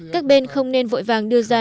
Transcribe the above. các bên không nên vội vàng đưa ra